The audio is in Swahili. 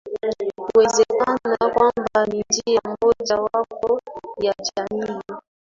wezekana kwamba ni njia moja wapo ya jamii